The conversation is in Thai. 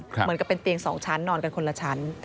เหมือนกับเป็นเตียง๒ชั้นนอนกันคนละชั้น